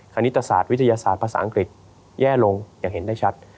ณิตศาสตร์วิทยาศาสตร์ภาษาอังกฤษแย่ลงอย่างเห็นได้ชัด